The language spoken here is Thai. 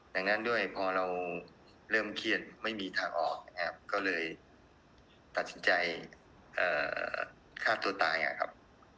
ดังนั้นด้วยพอเราเริ่มเครียดไม่มีทางออกนะครับก็เลยตัดสินใจฆ่าตัวตายครับ